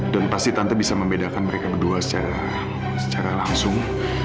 dan pasti tante bisa membedakan mereka berdua secara langsung